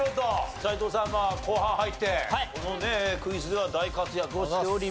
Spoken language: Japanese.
斎藤さんまあ後半入ってクイズでは大活躍をしております。